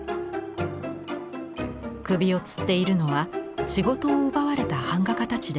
首をつっているのは仕事を奪われた版画家たちです。